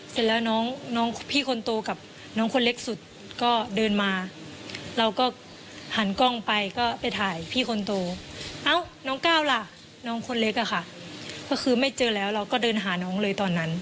เสร็จแล้วน้องพี่คนโตกับน้องคนเล็กสุดก็เดินมาเราก็หันกล้องไปก็ไปถ่ายพี่คนโตเอ้าน้องก้าวล่ะน้องคนเล็กอะค่ะก็คือไม่เจอแล้วเราก็เดินหาน้องเลยตอนนั้น